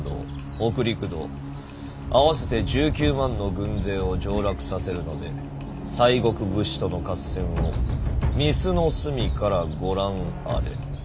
北陸道合わせて１９万の軍勢を上洛させるので西国武士との合戦を御簾の隅からご覧あれ。